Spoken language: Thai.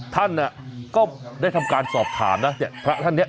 ท่านก็ได้ทำการสอบถามนะเนี่ยพระท่านเนี่ย